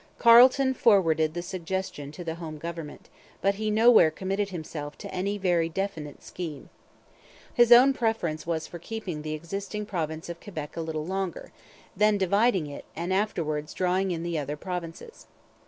Carleton forwarded the suggestion to the home government; but he nowhere committed himself to any very definite scheme. His own preference was for keeping the existing province of Quebec a little longer, then dividing it, and afterwards drawing in the other provinces.